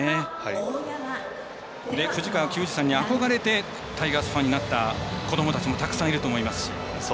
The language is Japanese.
藤川球児さんに憧れてタイガースファンになった子どもたちもたくさんいると思いますし。